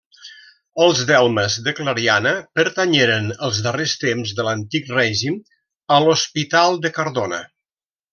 Els delmes de Clariana pertanyeren, els darrers temps de l’Antic Règim, a l’Hospital de Cardona.